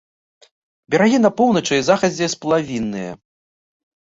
Берагі на поўначы і захадзе сплавінныя.